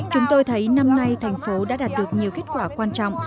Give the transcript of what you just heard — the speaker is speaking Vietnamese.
chúng tôi thấy năm nay thành phố đã đạt được nhiều kết quả quan trọng